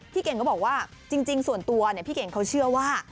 เก่งก็บอกว่าจริงส่วนตัวพี่เก่งเขาเชื่อว่า